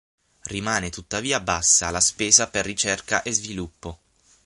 Rimane tuttavia bassa la spesa per ricerca e sviluppo.